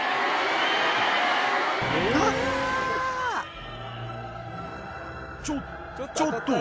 あっ！？